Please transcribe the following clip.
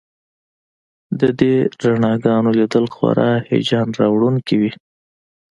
د دې رڼاګانو لیدل خورا هیجان راوړونکي وي